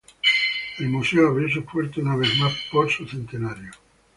El museo abrió sus puertas una vez más por su centenario.